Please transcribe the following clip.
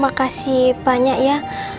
berkat mas randy sama mamanya mas randy